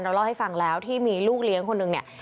เล่าให้ฟังแล้วที่มีลูกเลี้ยงคนหนึ่งเนี่ย